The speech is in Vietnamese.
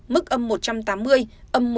mức âm một trăm tám mươi